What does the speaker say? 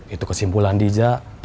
itu kesimpulan diza